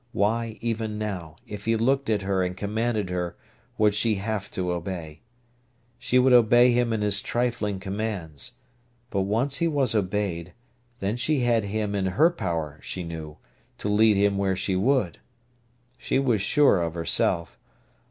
Why, even now, if he looked at her and commanded her, would she have to obey? She would obey him in his trifling commands. But once he was obeyed, then she had him in her power, she knew, to lead him where she would. She was sure of herself.